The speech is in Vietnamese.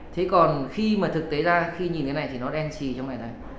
thế còn khi mà thực tế ra khi nhìn cái này thì nó đen xì trong này này